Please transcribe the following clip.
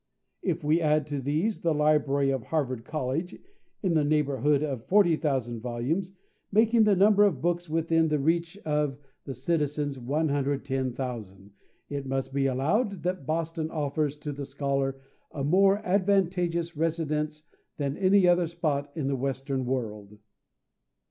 If we add to these the library of Harvard College, in the neighbourhood, of 40,000 volumes, making the number of books within the reach of the citizens 110,000, it must be allowed that Boston offers to the scholar a more advantageous residence than any other spot in the western world.